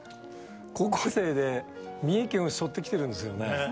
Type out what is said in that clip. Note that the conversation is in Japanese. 高校生で三重県をしょって来てるんですよね。